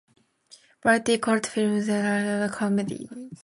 "Variety" called the film "a surprisingly entertaining black comedy.